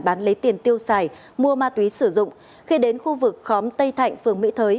bán lấy tiền tiêu xài mua ma túy sử dụng khi đến khu vực khóm tây thạnh phường mỹ thới